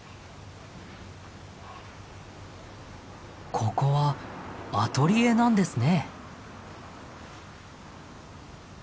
ここはアトリエなんですね。